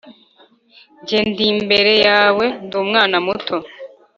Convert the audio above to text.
Jye nd' imbere yawe nd' umwana muto.